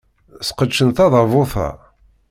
Sqedcen tadabut-a.